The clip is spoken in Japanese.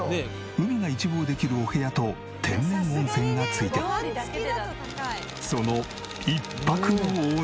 海が一望できるお部屋と天然温泉がついてその１泊のお値段は。